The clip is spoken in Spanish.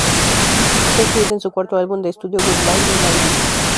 Está incluida en su cuarto álbum de estudio "Goodbye Lullaby".